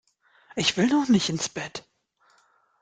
Ich will noch nicht ins Bett!